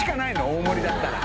大盛りだったら。